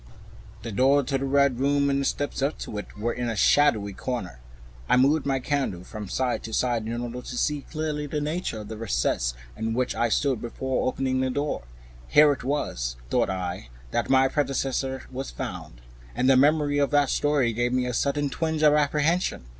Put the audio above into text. The door of the Red Room and the steps up to it were in a shadowy corner. I moved my candle from side to side in order to see clearly the nature of the recess in which I stood, before opening the door. Here it was, thought I, that my predecessor was found, and the memory of that story gave me a sudden twinge of apprehension.